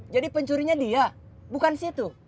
jadi pencurinya dia bukan situ